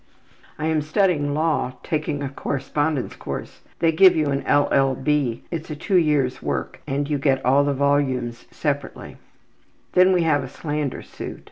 ``I'm studying law. Taking a correspondence course. They give you an L.L.B. It's a two years work and you get all the volumes separately,'' etc. ``Then we have a slander suit.